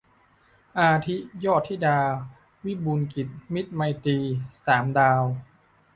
อาทิ ยอดธิดา วิบูลย์กิจ มิตรไมตรี สามดาว